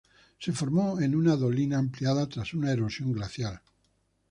Se formó en una dolina ampliada tras una erosión glaciar.